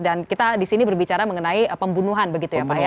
dan kita disini berbicara mengenai pembunuhan begitu ya pak ya